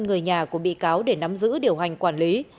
người nhà của bị cáo để nắm giữ điều hành quản lý